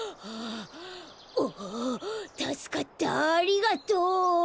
おおたすかったありがとう。